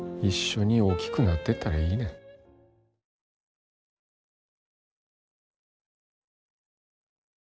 一緒に大きくなってったらいいねん。